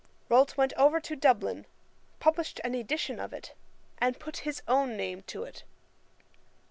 Rolt went over to Dublin, published an edition of it, and put his own name to it.